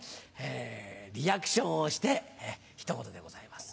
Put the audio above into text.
リアクションをしてひと言でございます。